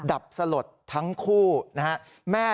ดับสลดทั้งคู่นะฮะ